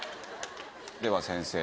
では先生